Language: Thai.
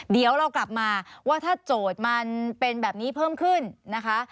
เดี๋ยวเรากลับมาว่าถ้าโจทย์มันเป็นแบบนี้เพิ่มขึ้นนะคะ